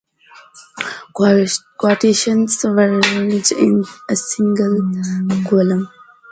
Quotations were arranged in a single column.